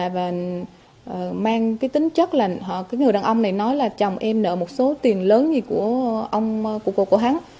và mang cái tính chất là người đàn ông này nói là chồng em nợ một số tiền lớn gì của cô hắn